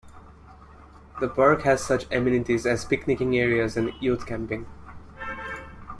The park has such amenities as picnicking areas and youth camping.